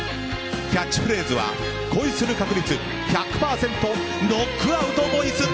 キャッチフレーズは恋する確率１００％のノックアウトボイス。